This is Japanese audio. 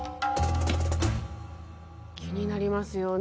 気になりますよね。